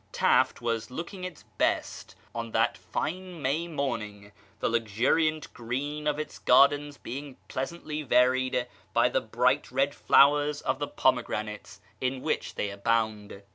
Taft was looking its best on that fine May morning, the luxuriant green of its gardens being pleasantly varied by the bright red flowers of the pome granates in which they abound.